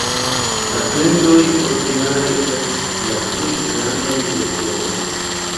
La plendoj ordinare estas la plej grandaj vespere.